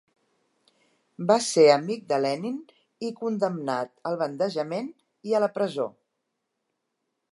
Va ser amic de Lenin i condemnat al bandejament i a la presó.